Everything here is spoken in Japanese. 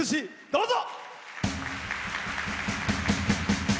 どうぞ。